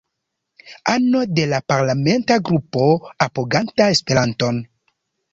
Ano de la Parlamenta Grupo Apoganta Esperanton.